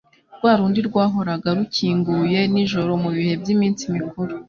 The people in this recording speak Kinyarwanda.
rwa rundi rwahoraga rukinguye nijoro mu bihe by'iminsi mikuru.